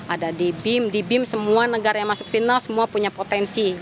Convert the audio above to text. ada di bim di bim semua negara yang masuk final semua punya potensi